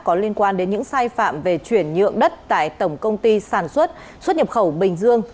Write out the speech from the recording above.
có liên quan đến những sai phạm về chuyển nhượng đất tại tổng công ty sản xuất xuất nhập khẩu bình dương